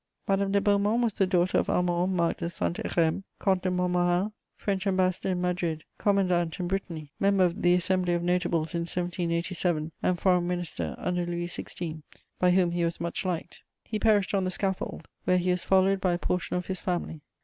Madame de Beaumont was the daughter of Armand Marc de Saint Hérem, Comte de Montmorin, French Ambassador in Madrid, commandant in Brittany, member of the Assembly of Notables in 1787, and Foreign Minister under Louis XVI., by whom he was much liked: he perished on the scaffold, where he was followed by a portion of his family.